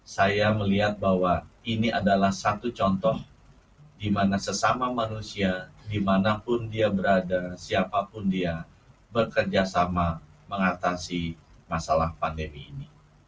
saya melihat bahwa ini adalah satu contoh di mana sesama manusia di manapun dia berada siapapun dia bekerjasama mengatasi masalah pandemi